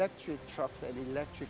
untuk truk dan bus elektrik